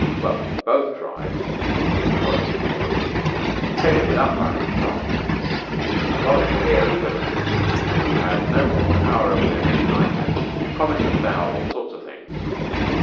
Well, both tribes there was a coalition against us came in without firing a shot; and a lot of hairy villains, who had no more power over their men than I had, promised and vowed all sorts of things.